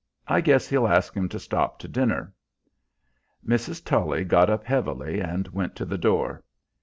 I guess he'll ask 'em to stop to dinner." Mrs. Tully got up heavily and went to the door.